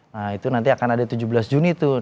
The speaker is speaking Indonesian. nah itu nanti akan ada tujuh belas juni tuh